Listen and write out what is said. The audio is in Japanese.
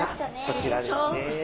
こちらですね。